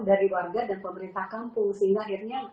dari warga dan pemerintah kampung sehingga akhirnya